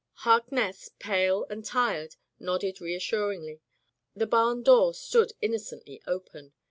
Harkness, pale' and tired, nodded re assuringly. The barn door stood innocently open.